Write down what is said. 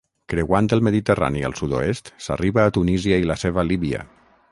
Creuant el Mediterrani al sud-oest s'arriba a Tunísia i la seva Líbia.